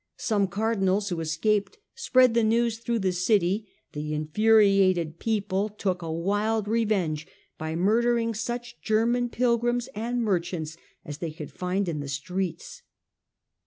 Some cardinals who escaped spread the news through the city ; the in furiated people took a wild revenge by murdering such German pilgrims and merchants as they could find in the streets.